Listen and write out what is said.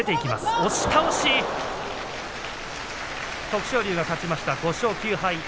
徳勝龍が勝ちました５勝９敗。